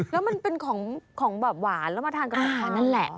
แล้วมันเป็นของแบบหวานแล้วมาทานกับอาหารนั่นแหละ